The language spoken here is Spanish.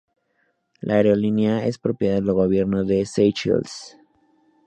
La aerolínea es propiedad del gobierno de Seychelles.